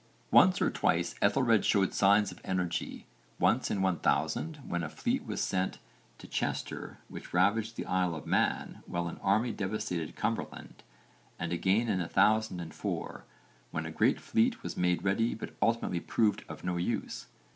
Once or twice Ethelred showed signs of energy; once in 1000 when a fleet was sent to Chester, which ravaged the Isle of Man while an army devastated Cumberland, and again in 1004 when a great fleet was made ready but ultimately proved of no use.